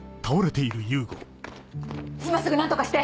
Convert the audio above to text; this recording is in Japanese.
今すぐ何とかして！